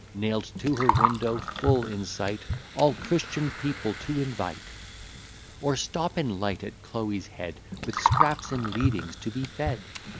Nail'd to her window full in sight All Christian people to invite. Or stop and light at Chloe's head, With scraps and leavings to be fed?